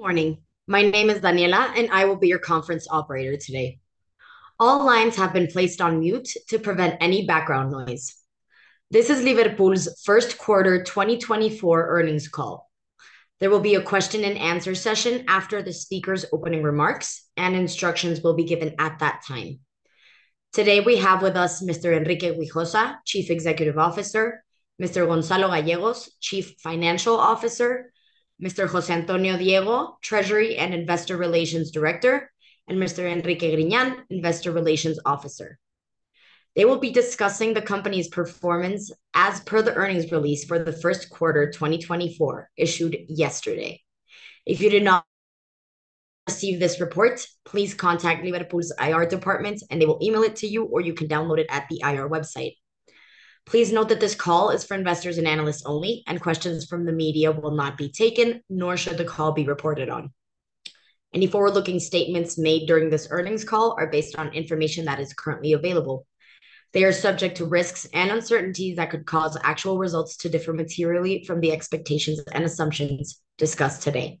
Good morning. My name is Daniela, and I will be your conference operator today. All lines have been placed on mute to prevent any background noise. This is Liverpool's first quarter 2024 earnings call. There will be a question and answer session after the speaker's opening remarks, and instructions will be given at that time. Today, we have with us Mr. Enrique Güijosa, Chief Executive Officer; Mr. Gonzalo Gallegos, Chief Financial Officer; Mr. José Antonio Diego, Treasury and Investor Relations Director; and Mr. Enrique Griñán, Investor Relations Officer. They will be discussing the company's performance as per the earnings release for the first quarter 2024, issued yesterday. If you did not receive this report, please contact Liverpool's IR department, and they will email it to you, or you can download it at the IR website. Please note that this call is for investors and analysts only, and questions from the media will not be taken, nor should the call be reported on. Any forward-looking statements made during this earnings call are based on information that is currently available. They are subject to risks and uncertainties that could cause actual results to differ materially from the expectations and assumptions discussed today.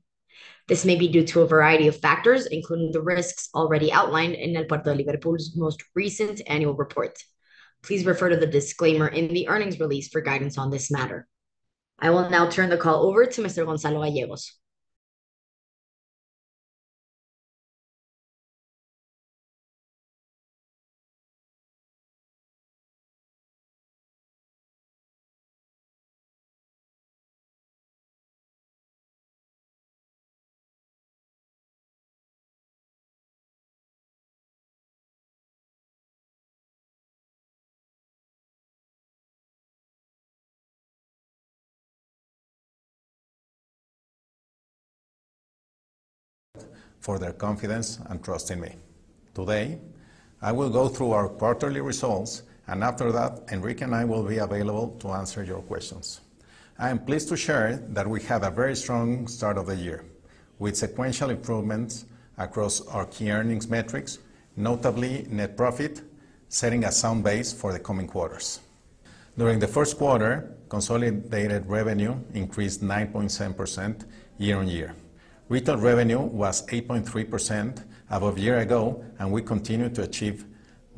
This may be due to a variety of factors, including the risks already outlined in El Puerto de Liverpool's most recent annual report. Please refer to the disclaimer in the earnings release for guidance on this matter. I will now turn the call over to Mr. Gonzalo Gallegos. For their confidence and trust in me. Today, I will go through our quarterly results, and after that, Enrique and I will be available to answer your questions. I am pleased to share that we had a very strong start of the year, with sequential improvements across our key earnings metrics, notably net profit, setting a sound base for the coming quarters. During the first quarter, consolidated revenue increased 9.7% year-on-year. Retail revenue was 8.3% above a year ago, and we continued to achieve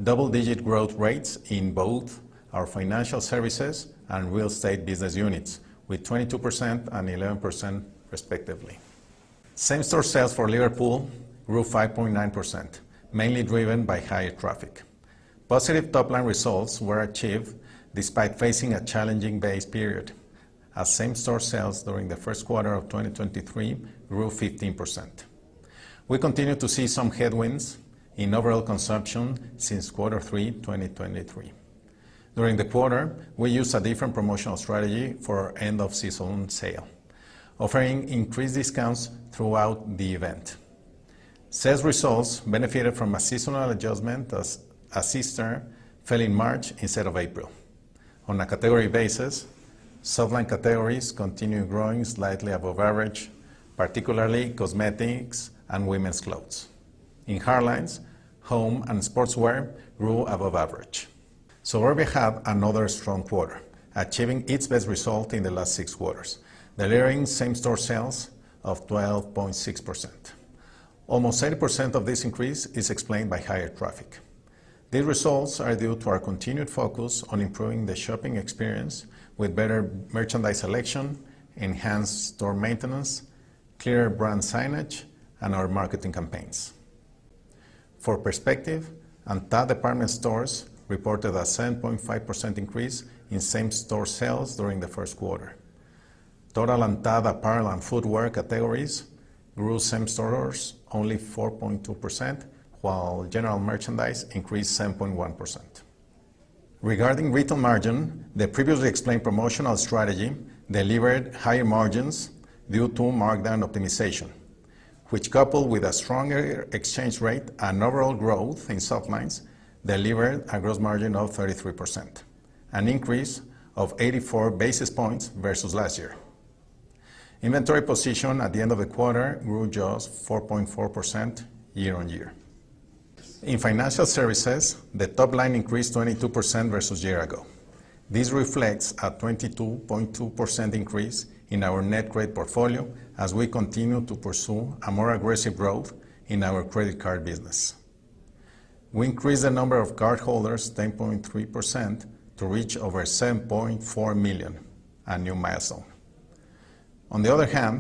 double-digit growth rates in both our financial services and real estate business units, with 22% and 11%, respectively. Same-store sales for Liverpool grew 5.9%, mainly driven by higher traffic. Positive top-line results were achieved despite facing a challenging base period, as same-store sales during the first quarter of 2023 grew 15%. We continued to see some headwinds in overall consumption since quarter three, 2023. During the quarter, we used a different promotional strategy for our end-of-season sale, offering increased discounts throughout the event. Sales results benefited from a seasonal adjustment as Easter fell in March instead of April. On a category basis, Softlines categories continued growing slightly above average, particularly cosmetics and women's clothes. In Hard Lines, home and sportswear grew above average. So we have another strong quarter, achieving its best result in the last six quarters, delivering same-store sales of 12.6%. Almost 80% of this increase is explained by higher traffic. These results are due to our continued focus on improving the shopping experience with better merchandise selection, enhanced store maintenance, clear brand signage, and our marketing campaigns. For perspective, ANTAD department stores reported a 7.5% increase in same-store sales during the first quarter. Total ANTAD apparel and footwear categories grew same stores only 4.2%, while general merchandise increased 7.1%. Regarding retail margin, the previously explained promotional strategy delivered higher margins due to markdown optimization, which, coupled with a stronger exchange rate and overall growth in softlines, delivered a gross margin of 33%, an increase of 84 basis points versus last year. Inventory position at the end of the quarter grew just 4.4% year-on-year. In financial services, the top line increased 22% versus year-ago. This reflects a 22.2% increase in our net credit portfolio as we continue to pursue a more aggressive growth in our credit card business. We increased the number of cardholders 10.3% to reach over 7.4 million, a new milestone. On the other hand,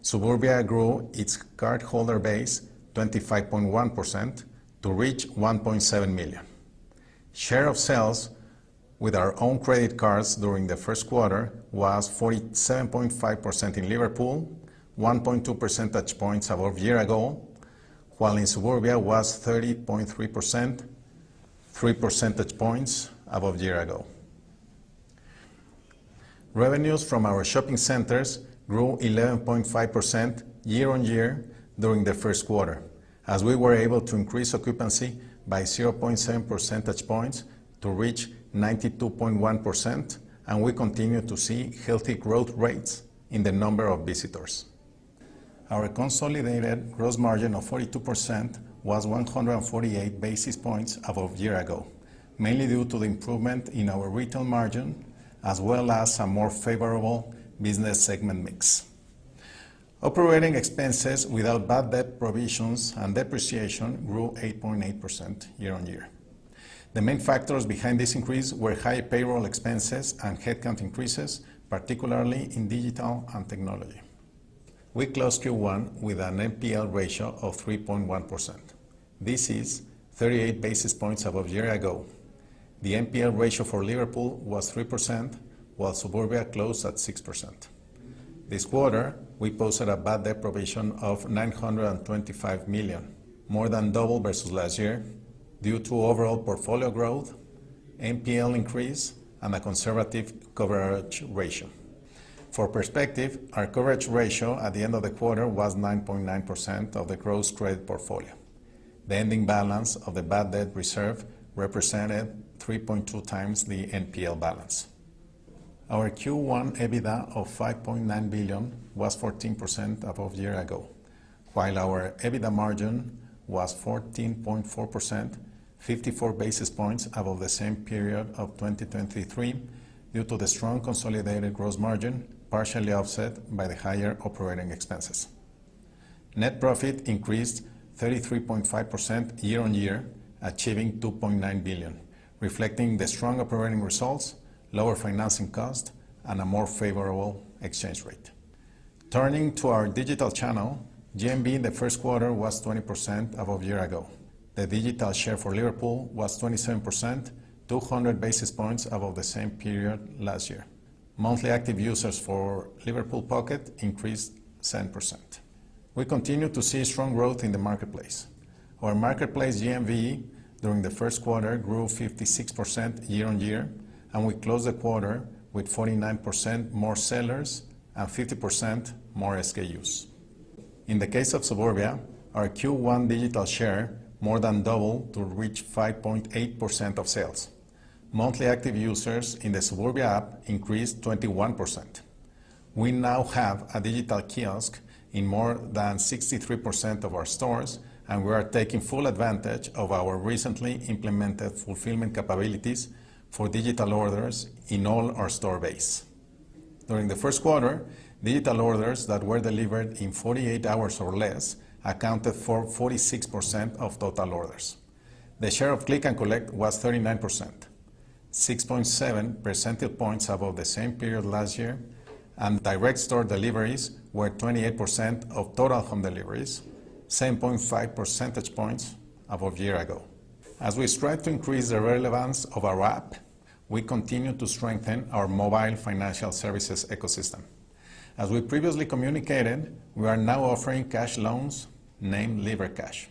Suburbia grew its cardholder base 25.1% to reach 1.7 million. Share of sales with our own credit cards during the first quarter was 47.5% in Liverpool, 1.2 percentage points above year ago, while in Suburbia was 30.3%, 3 percentage points above the year ago. Revenues from our shopping centers grew 11.5% year-on-year during the first quarter, as we were able to increase occupancy by 0.7 percentage points to reach 92.1%, and we continue to see healthy growth rates in the number of visitors. Our consolidated gross margin of 42% was 148 basis points above year ago, mainly due to the improvement in our retail margin as well as a more favorable business segment mix. Operating expenses without bad debt provisions and depreciation grew 8.8% year-on-year. The main factors behind this increase were high payroll expenses and headcount increases, particularly in digital and technology. We closed Q1 with an NPL ratio of 3.1%. This is 38 basis points above a year ago. The NPL ratio for Liverpool was 3%, while Suburbia closed at 6%. This quarter, we posted a bad debt provision of 925 million, more than double versus last year, due to overall portfolio growth, NPL increase, and a conservative coverage ratio. For perspective, our coverage ratio at the end of the quarter was 9.9% of the gross trade portfolio. The ending balance of the bad debt reserve represented 3.2 times the NPL balance. Our Q1 EBITDA of 5.9 billion was 14% above a year ago, while our EBITDA margin was 14.4%, 54 basis points above the same period of 2023, due to the strong consolidated gross margin, partially offset by the higher operating expenses. Net profit increased 33.5% year-on-year, achieving 2.9 billion, reflecting the strong operating results, lower financing cost, and a more favorable exchange rate. Turning to our digital channel, GMV in the first quarter was 20% above a year ago. The digital share for Liverpool was 27%, 200 basis points above the same period last year. Monthly active users for Liverpool Pocket increased 10%. We continue to see strong growth in the marketplace. Our marketplace GMV during the first quarter grew 56% year-on-year, and we closed the quarter with 49% more sellers and 50% more SKUs. In the case of Suburbia, our Q1 digital share more than doubled to reach 5.8% of sales. Monthly active users in the Suburbia app increased 21%. We now have a digital kiosk in more than 63% of our stores, and we are taking full advantage of our recently implemented fulfillment capabilities for digital orders in all our store base. During the first quarter, digital orders that were delivered in 48 hours or less accounted for 46% of total orders. The share of Click and Collect was 39%, 6.7 percentage points above the same period last year, and direct store deliveries were 28% of total home deliveries, 7.5 percentage points above a year ago. As we strive to increase the relevance of our app, we continue to strengthen our mobile financial services ecosystem. As we previously communicated, we are now offering cash loans named Livercash.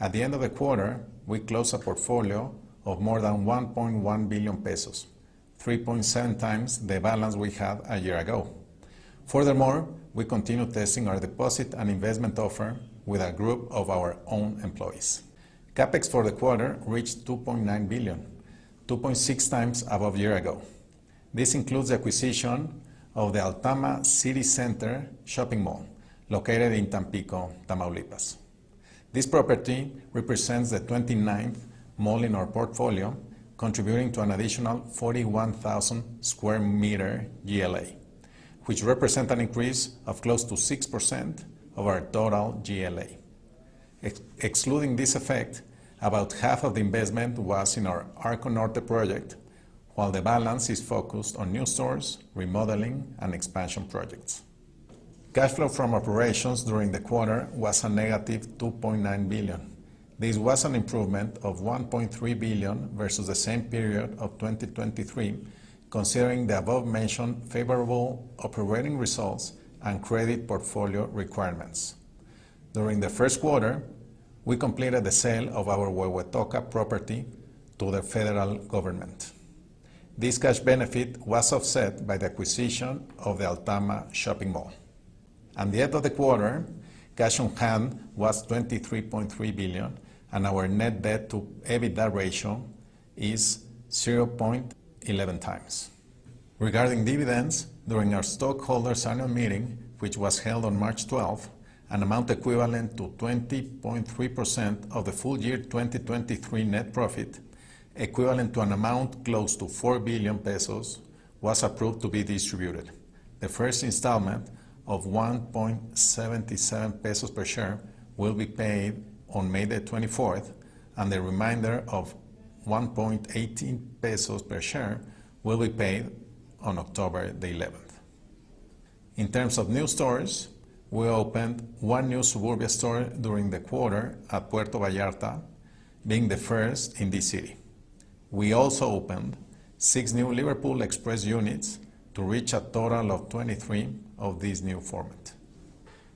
At the end of the quarter, we closed a portfolio of more than 1.1 billion pesos, 3.7x the balance we had a year ago. Furthermore, we continue testing our deposit and investment offer with a group of our own employees. CapEx for the quarter reached 2.9 billion, 2.6x above a year ago. This includes the acquisition of the Altama City Center shopping mall, located in Tampico, Tamaulipas. This property represents the 29th mall in our portfolio, contributing to an additional 41,000 square meter GLA, which represent an increase of close to 6% of our total GLA. Excluding this effect, about half of the investment was in our Arco Norte project, while the balance is focused on new stores, remodeling, and expansion projects. Cash flow from operations during the quarter was a negative 2.9 billion. This was an improvement of 1.3 billion versus the same period of 2023, considering the above-mentioned favorable operating results and credit portfolio requirements. During the first quarter, we completed the sale of our Huehuetoca property to the federal government. This cash benefit was offset by the acquisition of the Altama shopping mall. At the end of the quarter, cash on hand was 23.3 billion, and our net debt to EBITDA ratio is 0.11x. Regarding dividends, during our stockholders' annual meeting, which was held on March twelfth, an amount equivalent to 20.3% of the full year 2023 net profit, equivalent to an amount close to 4 billion pesos, was approved to be distributed. The first installment of 1.77 pesos per share will be paid on May the twenty-fourth, and the remainder of 1.80 pesos per share will be paid on October the eleventh. In terms of new stores, we opened one new Suburbia store during the quarter at Puerto Vallarta, being the first in this city. We also opened six new Liverpool Express units to reach a total of 23 of this new format.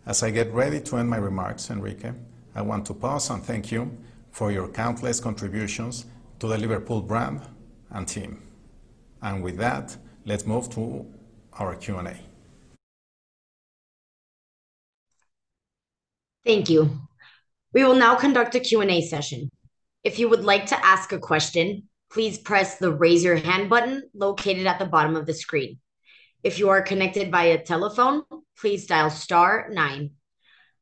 As I get ready to end my remarks, Enrique, I want to pause and thank you for your countless contributions to the Liverpool brand and team. With that, let's move to our Q&A. Thank you. We will now conduct a Q&A session. If you would like to ask a question, please press the Raise Your Hand button located at the bottom of the screen. If you are connected via telephone, please dial star nine.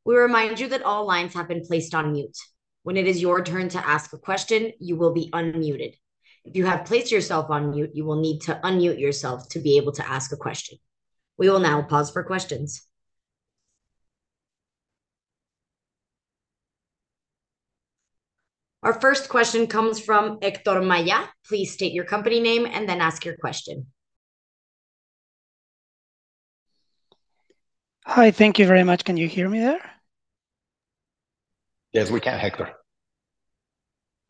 We remind you that all lines have been placed on mute.... When it is your turn to ask a question, you will be unmuted. If you have placed yourself on mute, you will need to unmute yourself to be able to ask a question. We will now pause for questions. Our first question comes from Héctor Maya. Please state your company name and then ask your question. Hi, thank you very much. Can you hear me there? Yes, we can, Héctor.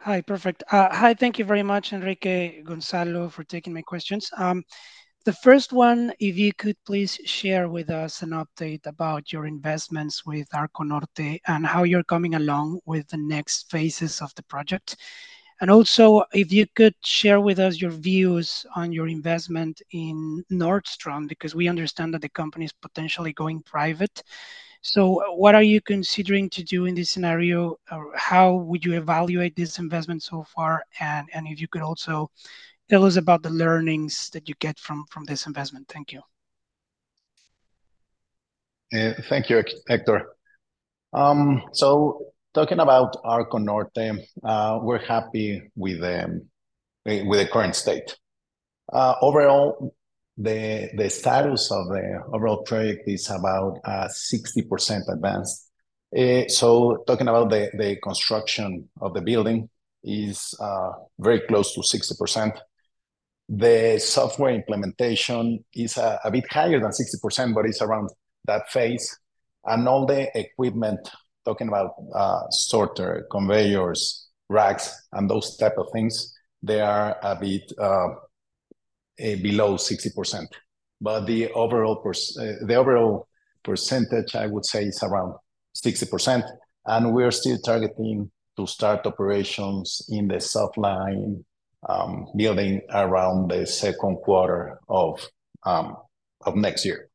Hi, perfect. Hi, thank you very much, Enrique, Gonzalo, for taking my questions. The first one, if you could please share with us an update about your investments with Arco Norte, and how you're coming along with the next phases of the project. Also, if you could share with us your views on your investment in Nordstrom, because we understand that the company's potentially going private. So what are you considering to do in this scenario, or how would you evaluate this investment so far? And, and if you could also tell us about the learnings that you get from, from this investment. Thank you. Thank you, Héctor. So talking about Arco Norte, we're happy with the current state. Overall, the status of the overall project is about 60% advanced. So talking about the construction of the building is very close to 60%. The software implementation is a bit higher than 60%, but it's around that phase. And all the equipment, talking about sorter, conveyors, racks, and those type of things, they are a bit below 60%. But the overall percentage, I would say, is around 60%, and we're still targeting to start operations in the soft line building around the second quarter of next year.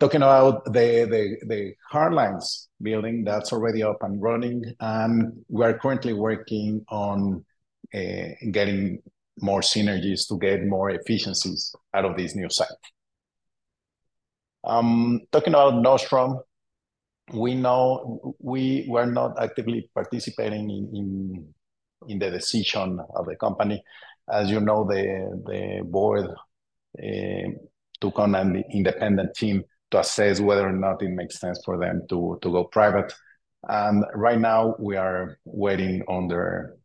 Talking about the hard lines building, that's already up and running, and we're currently working on getting more synergies to get more efficiencies out of this new site. Talking about Nordstrom, we know we were not actively participating in the decision of the company. As you know, the board took on an independent team to assess whether or not it makes sense for them to go private. Right now we are waiting on their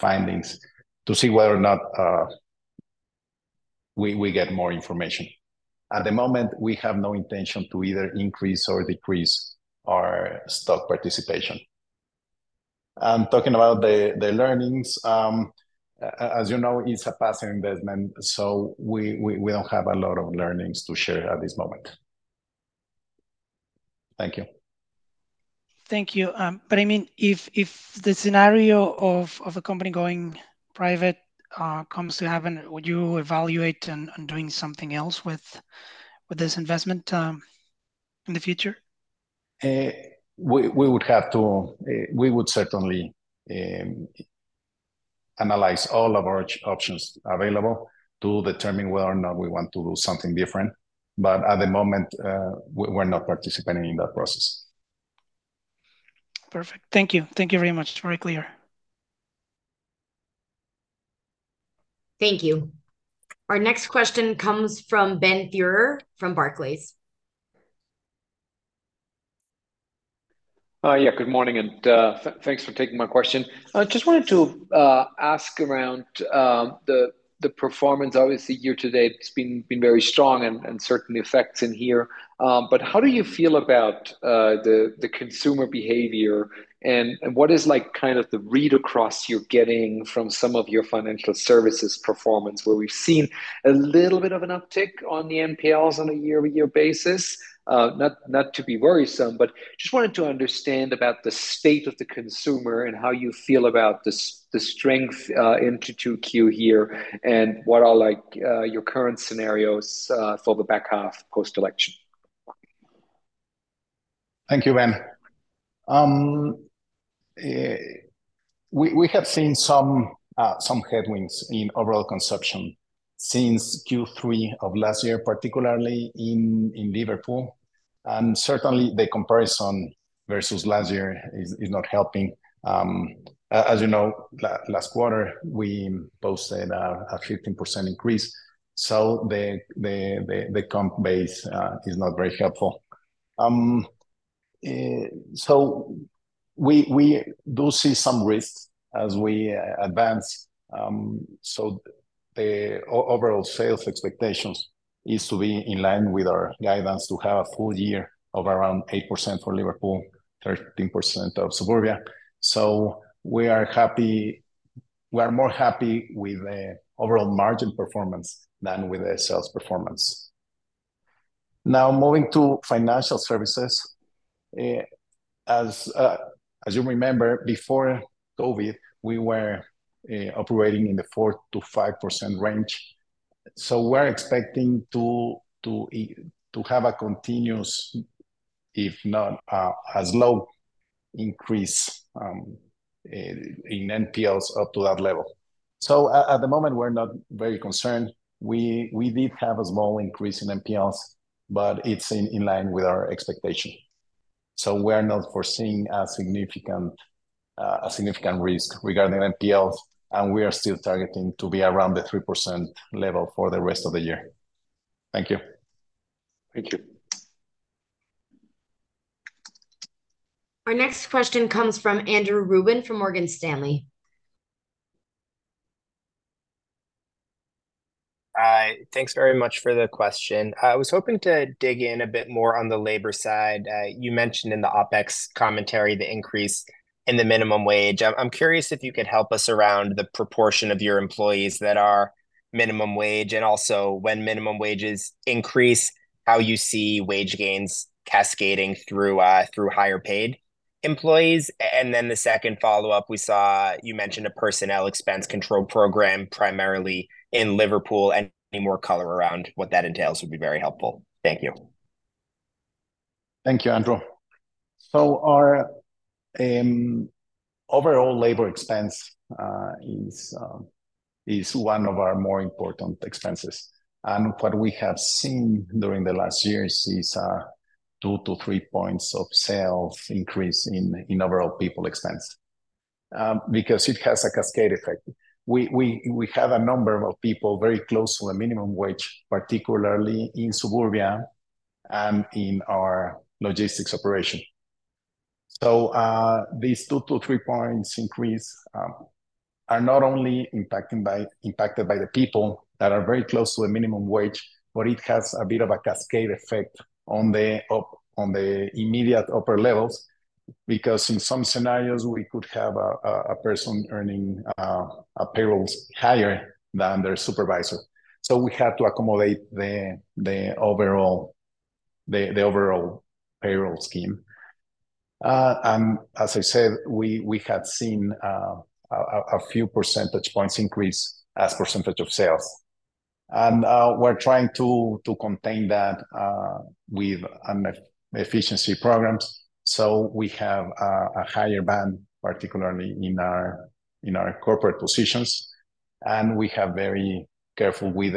findings to see whether or not we get more information. At the moment, we have no intention to either increase or decrease our stock participation. Talking about the learnings, as you know, it's a passive investment, so we don't have a lot of learnings to share at this moment. Thank you. Thank you. But I mean, if the scenario of a company going private comes to happen, would you evaluate on doing something else with this investment in the future? We would have to... we would certainly analyze all of our options available to determine whether or not we want to do something different, but at the moment, we're not participating in that process. Perfect. Thank you. Thank you very much. Very clear. Thank you. Our next question comes from Benjamin Theurer from Barclays. Yeah, good morning, and thanks for taking my question. I just wanted to ask around the performance. Obviously, year to date, it's been very strong and certain effects in here. But how do you feel about the consumer behavior, and what is, like, kind of the read-across you're getting from some of your financial services performance, where we've seen a little bit of an uptick on the NPLs on a year-over-year basis? Not to be worrisome, but just wanted to understand about the state of the consumer and how you feel about the strength into 2Q here, and what are, like, your current scenarios for the back half post-election? Thank you, Ben. We have seen some headwinds in overall consumption since Q3 of last year, particularly in Liverpool, and certainly the comparison versus last year is not helping. As you know, last quarter, we posted a 15% increase, so the comp base is not very helpful. So we do see some risks as we advance. So the overall sales expectations is to be in line with our guidance to have a full year of around 8% for Liverpool, 13% of Suburbia. So we are more happy with the overall margin performance than with the sales performance. Now, moving to financial services, as you remember, before COVID, we were operating in the 4%-5% range. So we're expecting to have a continuous, if not, as low increase in NPLs up to that level. So at the moment, we're not very concerned. We did have a small increase in NPLs, but it's in line with our expectation. So we're not foreseeing a significant, a significant risk regarding NPLs, and we are still targeting to be around the 3% level for the rest of the year. Thank you. Thank you. Our next question comes from Andrew Ruben from Morgan Stanley. Hi, thanks very much for the question. I was hoping to dig in a bit more on the labor side. You mentioned in the OpEx commentary the increase in the minimum wage. I'm curious if you could help us around the proportion of your employees that are minimum wage, and also when minimum wages increase, how you see wage gains cascading through through higher paid employees? And then the second follow-up, we saw you mentioned a personnel expense control program, primarily in Liverpool, and any more color around what that entails would be very helpful. Thank you. Thank you, Andrew. So our overall labor expense is one of our more important expenses. And what we have seen during the last years is two to three points of sales increase in overall people expense because it has a cascade effect. We have a number of people very close to a minimum wage, particularly in Suburbia, in our logistics operation. So these two to three points increase are not only impacted by the people that are very close to the minimum wage, but it has a bit of a cascade effect on the immediate upper levels. Because in some scenarios, we could have a person earning a payrolls higher than their supervisor. So we had to accommodate the overall payroll scheme. And as I said, we had seen a few percentage points increase as percentage of sales. And we're trying to contain that with efficiency programs, so we have a higher band, particularly in our corporate positions, and we are very careful with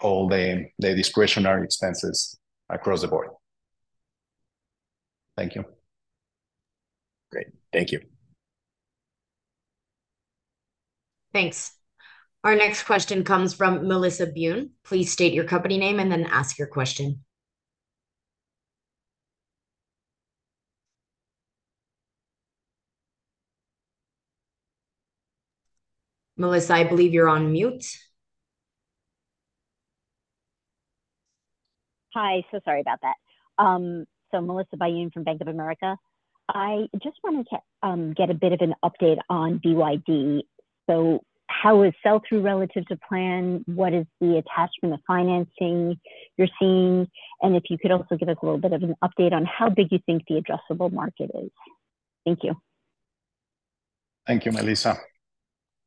all the discretionary expenses across the board. Thank you. Great. Thank you. Thanks. Our next question comes from Melissa Byun. Please state your company name and then ask your question. Melissa, I believe you're on mute. Hi, so sorry about that. So Melissa Byun from Bank of America. I just wanted to get a bit of an update on BYD. So how is sell-through relative to plan? What is the attachment of financing you're seeing? And if you could also give us a little bit of an update on how big you think the addressable market is. Thank you. Thank you, Melissa.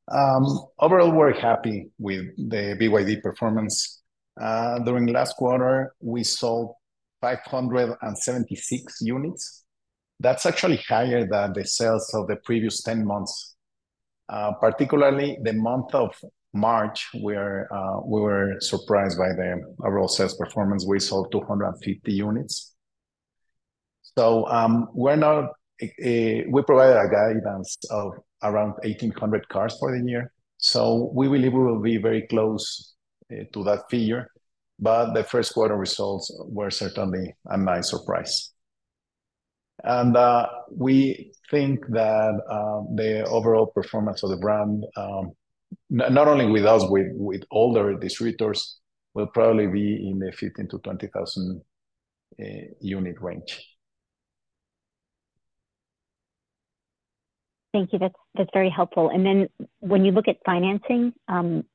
Overall, we're happy with the BYD performance. During last quarter, we sold 576 units. That's actually higher than the sales of the previous 10 months. Particularly the month of March, where we were surprised by the overall sales performance. We sold 250 units. So we provided a guidance of around 1,800 cars for the year, so we believe we will be very close to that figure, but the first quarter results were certainly a nice surprise. And we think that the overall performance of the brand, not only with us, with all the distributors, will probably be in the 15,000-20,000 unit range. Thank you. That's, that's very helpful. And then when you look at financing,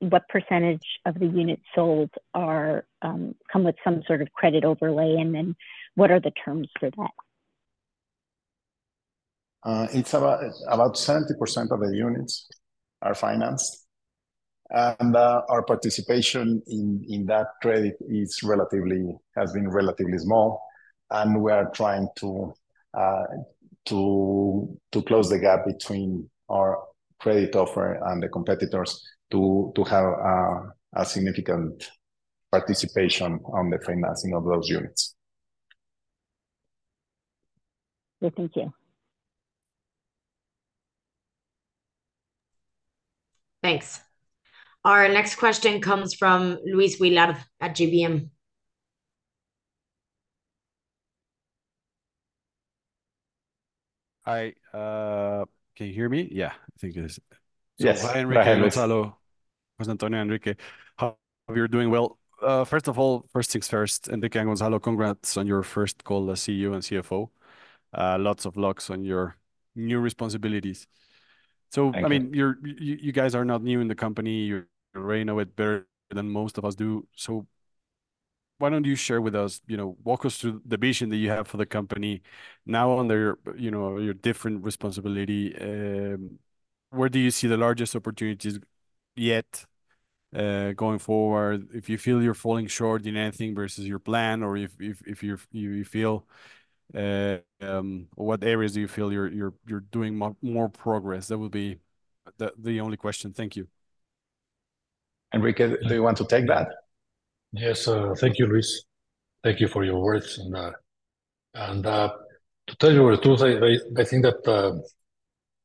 what percentage of the units sold come with some sort of credit overlay, and then what are the terms for that? It's about 70% of the units are financed. Our participation in that credit has been relatively small, and we are trying to close the gap between our credit offer and the competitors to have a significant participation in the financing of those units. Yeah. Thank you. Thanks. Our next question comes from Luis Willard at GBM. Hi. Can you hear me? Yeah, I think it is. Yes. Hi, Enrique and Gonzalo. President Antonio Enrique. Hope you're doing well. First of all, first things first, Enrique and Gonzalo, congrats on your first call as CEO and CFO. Lots of luck on your new responsibilities. Thank you. So, I mean, you guys are not new in the company. You already know it better than most of us do. So why don't you share with us, you know, walk us through the vision that you have for the company now under your, you know, your different responsibility. Where do you see the largest opportunities yet? Going forward, if you feel you're falling short in anything versus your plan, or if you feel what areas do you feel you're doing more progress? That would be the only question. Thank you. Enrique, do you want to take that? Yes. Thank you, Luis. Thank you for your words, and to tell you the truth, I think that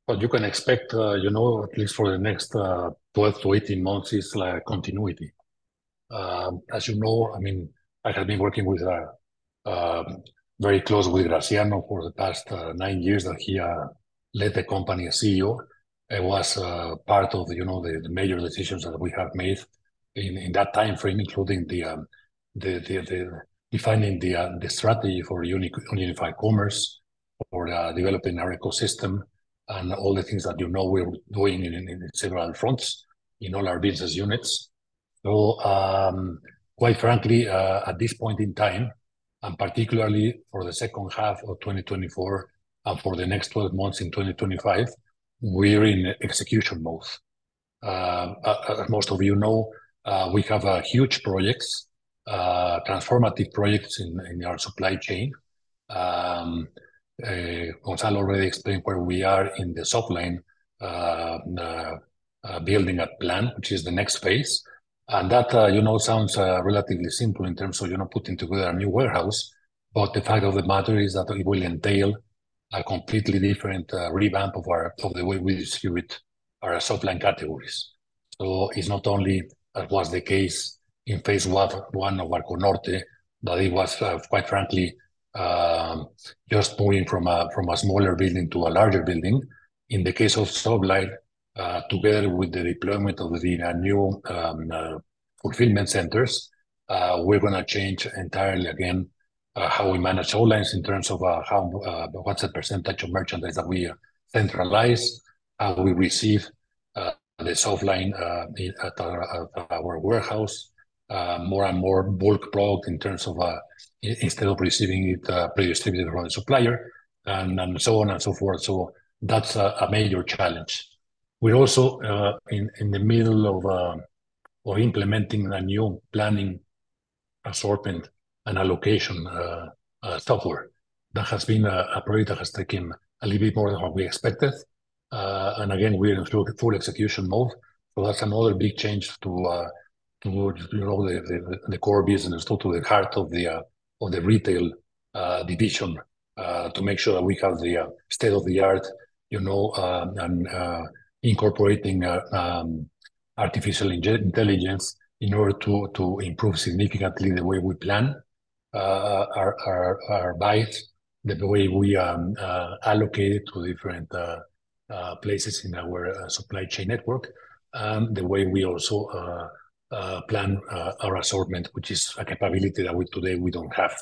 what you can expect, you know, at least for the next 12-18 months, is, like, continuity. As you know, I mean, I have been working with very closely with Graciano for the past nine years that he led the company as CEO. I was part of, you know, the major decisions that we have made in that timeframe, including the defining the strategy for Unify Commerce or developing our ecosystem and all the things that, you know, we're doing in several fronts in all our business units. So, quite frankly, at this point in time, and particularly for the second half of 2024 and for the next 12 months in 2025, we're in execution mode. Most of you know, we have huge projects, transformative projects in our supply chain. Gonzalo already explained where we are in the Softlines building a plan, which is the next phase. And that, you know, sounds relatively simple in terms of, you know, putting together a new warehouse, but the fact of the matter is that it will entail a completely different revamp of the way we distribute our Softlines categories. So it's not only, as was the case in phase one, one of Arco Norte, but it was, quite frankly, just moving from a smaller building to a larger building. In the case of softlines, together with the deployment of the new fulfillment centers, we're gonna change entirely again how we manage all lines in terms of how what's the percentage of merchandise that we centralize, how we receive the softlines at our warehouse, more and more bulk brought in terms of instead of receiving it pre-distributed from the supplier, and so on and so forth. So that's a major challenge. We're also in the middle of implementing a new planning assortment and allocation software. That has been a project that has taken a little bit more than what we expected. And again, we're in full execution mode, so that's another big change towards, you know, the core business, to the heart of the retail division, to make sure that we have the state-of-the-art, you know, and incorporating artificial intelligence in order to improve significantly the way we plan our buys, the way we allocate it to different places in our supply chain network, the way we also plan our assortment, which is a capability that we today don't have.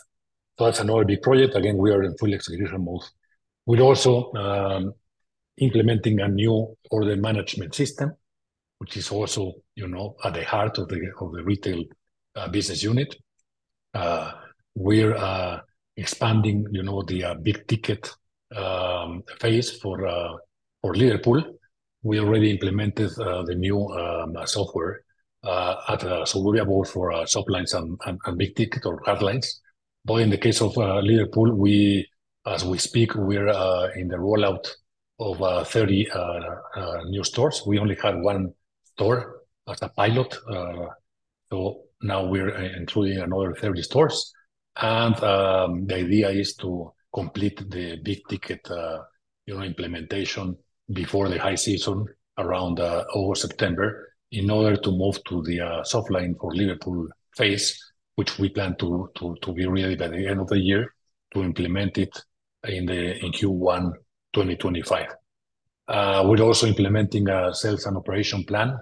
So that's another big project. Again, we are in full execution mode. We're also implementing a new order management system, which is also, you know, at the heart of the retail business unit. We're expanding, you know, the Big Ticket phase for Liverpool. We already implemented the new software, so we are both for Softlines and Big Ticket or Hard Lines. But in the case of Liverpool, we, as we speak, we're in the rollout of 30 new stores. We only had one store as a pilot, so now we're including another 30 stores. The idea is to complete the big ticket, you know, implementation before the high season, around October, in order to move to the softline for Liverpool phase, which we plan to be ready by the end of the year, to implement it in Q1 2025. We're also implementing a sales and operations plan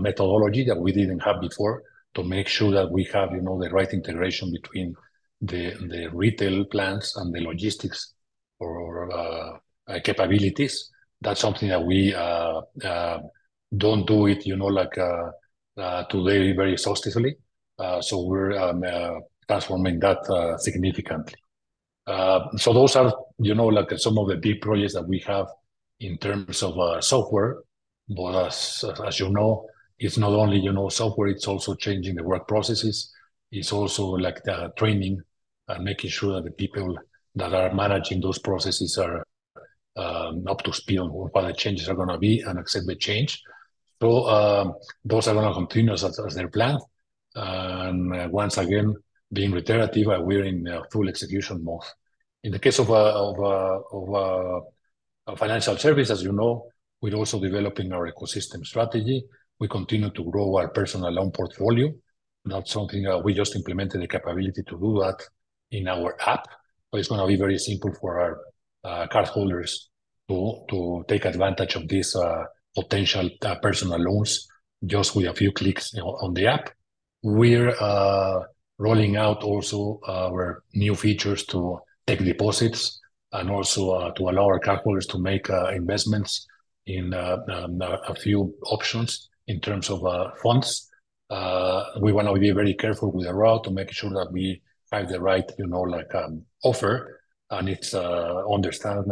methodology that we didn't have before, to make sure that we have, you know, the right integration between the retail plans and the logistics or capabilities. That's something that we don't do it, you know, like, today very exhaustively. So we're transforming that significantly. So those are, you know, like some of the big projects that we have in terms of software. But as you know, it's not only, you know, software, it's also changing the work processes. It's also, like, the training and making sure that the people that are managing those processes are up to speed on what the changes are gonna be and accept the change. So, those are gonna continue as they're planned. And once again, being reiterative, we're in a full execution mode. In the case of financial services, as you know, we're also developing our ecosystem strategy. We continue to grow our personal loan portfolio, that's something we just implemented the capability to do that in our app, but it's gonna be very simple for our cardholders to take advantage of these potential personal loans just with a few clicks on the app. We're rolling out also our new features to take deposits and also to allow our cardholders to make investments in a few options in terms of funds. We wanna be very careful with the route to making sure that we have the right, you know, like, offer, and it's understood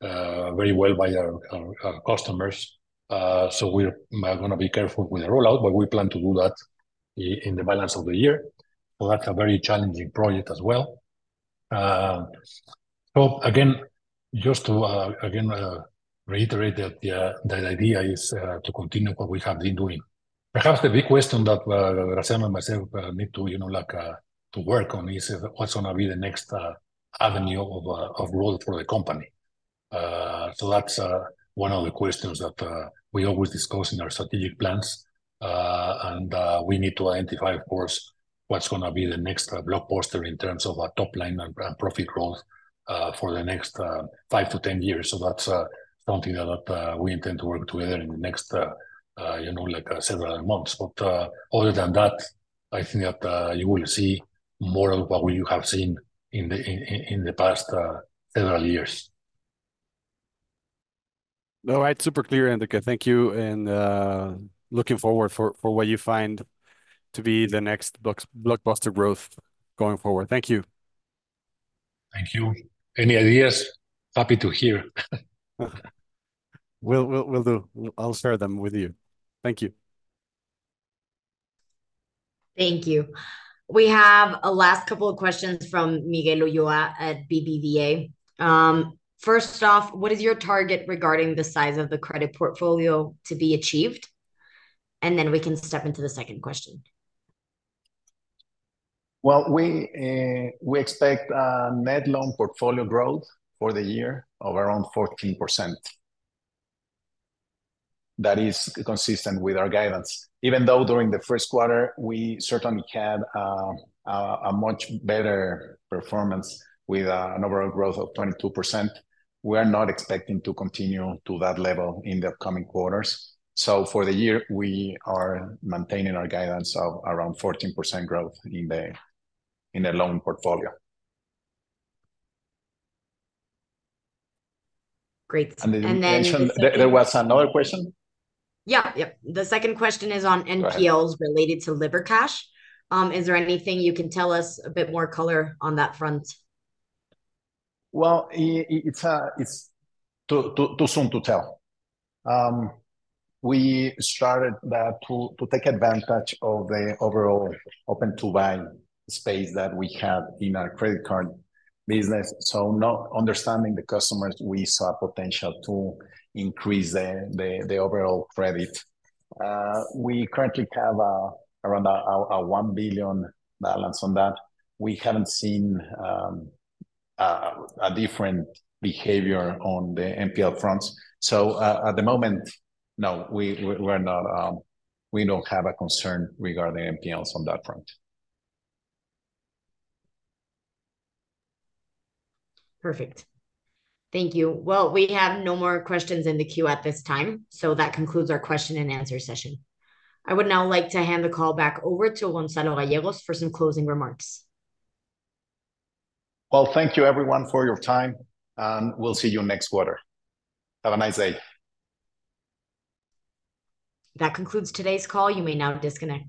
very well by our customers. So we're gonna be careful with the rollout, but we plan to do that in the balance of the year. So that's a very challenging project as well. So again, just to reiterate that the idea is to continue what we have been doing. Perhaps the big question that Graciano and myself need to, you know, like, to work on is, what's gonna be the next avenue of of growth for the company? So that's one of the questions that we always discuss in our strategic plans. And we need to identify, of course, what's gonna be the next blockbuster in terms of our top line and and profit growth for the next five to 10 years. So that's something that we intend to work together in the next, you know, like, several months. But other than that, I think that you will see more of what you have seen in the past several years. All right, super clear, Enrique. Thank you, and looking forward for what you find to be the next blockbuster growth going forward. Thank you. Thank you. Any ideas? Happy to hear. Will do. I'll share them with you. Thank you. Thank you. We have a last couple of questions from Miguel Ulloa at BBVA.First off, what is your target regarding the size of the credit portfolio to be achieved? And then we can step into the second question. Well, we expect net loan portfolio growth for the year of around 14%. That is consistent with our guidance. Even though during the first quarter we certainly had a much better performance with an overall growth of 22%, we are not expecting to continue to that level in the upcoming quarters. So for the year, we are maintaining our guidance of around 14% growth in the loan portfolio. Great. And then- There was another question? Yeah. Yep, the second question is on NPLs- Right... related to Livercash. Is there anything you can tell us, a bit more color on that front? Well, it's too soon to tell. We started that to take advantage of the overall Open-to-Buy space that we had in our credit card business. So now understanding the customers, we saw potential to increase the overall credit. We currently have around a 1 billion balance on that. We haven't seen a different behavior on the NPL fronts. So at the moment, no, we're not, we don't have a concern regarding NPLs on that front. Perfect. Thank you. Well, we have no more questions in the queue at this time, so that concludes our question and answer session. I would now like to hand the call back over to Gonzalo Gallegos for some closing remarks. Well, thank you everyone for your time, and we'll see you next quarter. Have a nice day. That concludes today's call. You may now disconnect.